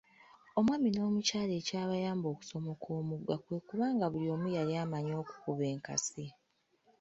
Omwami n’omukyala ekyabayamba okusomoka omugga kwe kuba nga buli omu yali amanyi okukuba enkasi.